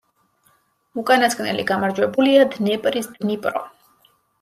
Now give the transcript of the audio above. უკანასკნელი გამარჯვებულია დნეპრის „დნიპრო“.